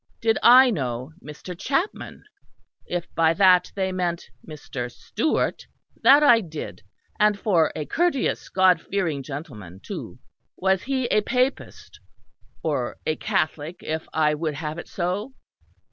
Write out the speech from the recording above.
Did I know Mr. Chapman? If by that they meant Mr. Stewart, that I did, and for a courteous God fearing gentleman too. Was he a Papist, or a Catholic if I would have it so?